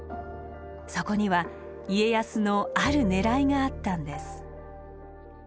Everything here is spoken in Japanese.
そこには家康のあるねらいがあったんです。